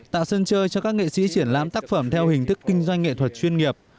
tạo sân chơi cho các nghệ sĩ triển lãm tác phẩm theo hình thức kinh doanh nghệ thuật chuyên nghiệp